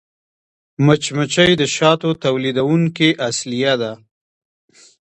مچمچۍ د شاتو تولیدوونکې اصلیه ده